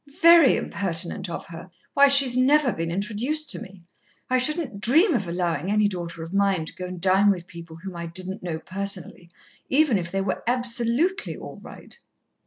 "Very impertinent of her! Why, she's never been introduced to me. I shouldn't dream of allowin' any daughter of mine to go and dine with people whom I didn't know personally, even if they were absolutely all right."